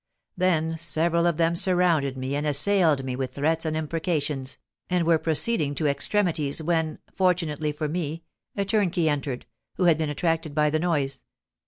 Then several of them surrounded me and assailed me with threats and imprecations, and were proceeding to extremities, when, fortunately for me, a turnkey entered, who had been attracted by the noise.